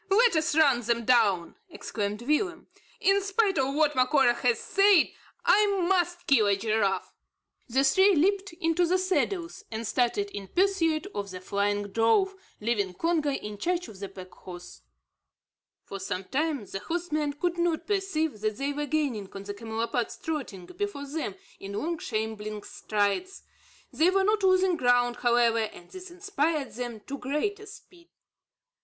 Let us run them down," exclaimed Willem. "In spite of what Macora has said, I must kill a giraffe!" The three leaped into the saddles, and started in pursuit of the flying drove, leaving Congo in charge of the pack horse. For some time, the horsemen could not perceive that they were gaining on the camelopards trotting before them in long shambling strides. They were not losing ground, however, and this inspired them to greater speed.